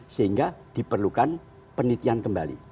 sehingga diperlukan penelitian kembali